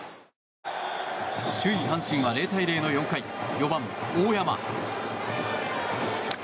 首位、阪神は０対０の４回４番、大山。